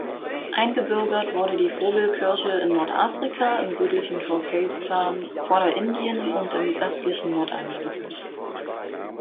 Eingebürgert wurde die Vogel-Kirsche in Nordafrika, im südlichen Turkestan, Vorderindien und im östlichen Nordamerika.